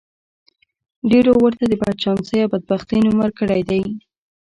ډېرو ورته د بدچانسۍ او بدبختۍ نوم ورکړی دی.